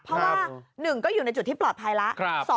เพราะว่า๑ก็อยู่ในจุดที่ปลอดภัยแล้ว